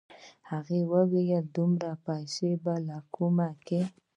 هغه وويل دومره پيسې به له کومه کې.